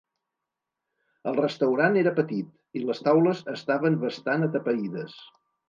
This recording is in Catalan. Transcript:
El restaurant era petit i les taules estaven bastant atapeïdes.